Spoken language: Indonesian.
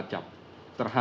tidak ada yang bisa diperlukan